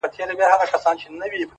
جلوه مخي په گودر دي اموخته کړم;